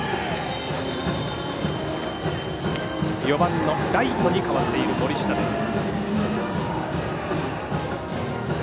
４番のライトに変わっている森下です。